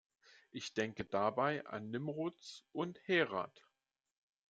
Ich denke dabei an Nimruz und Herat.